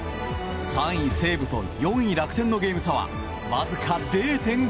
３位西武と４位楽天のゲーム差はわずか０．５。